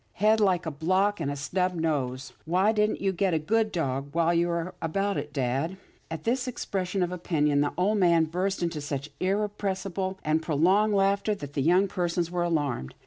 Head like a block, and a snub nose. Why didn't you get a good dog, while you were about it, dad ?" At this expression of opinion, the old man burst into such irrepressible and prolonged laughter that the young persons were alarmed.